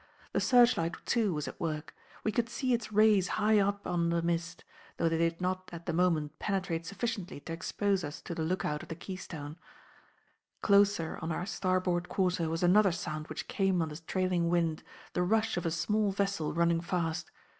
The searchlight too was at work; we could see its rays high up on the mist, though they did not at the moment penetrate sufficiently to expose us to the lookout of the Keystone. Closer on our starboard quarter was another sound which came on the trailing wind, the rush of a small vessel running fast.